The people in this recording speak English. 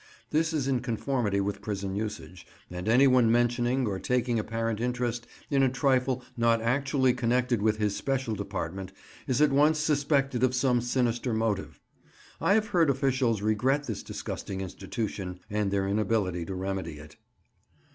This is in conformity with prison usage, and anyone mentioning, or taking apparent interest in a trifle not actually connected with his special department, is at once suspected of some sinister motive. I have heard officials regret this disgusting institution, and their inability to remedy it.